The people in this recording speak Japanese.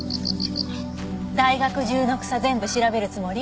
大学中の草全部調べるつもり？